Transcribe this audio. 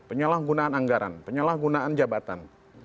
penyalahgunaan anggaran penyalahgunaan jabatan